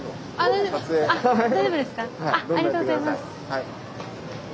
はい。